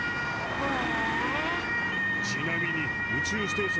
ほえ。